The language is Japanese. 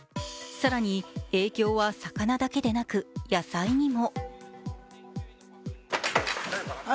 更に、影響は魚だけではなく野菜にも。